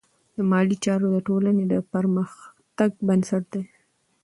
مالي چارې د ټولنې د پرمختګ بنسټ دی.